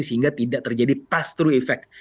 sehingga tidak terjadi pass through effect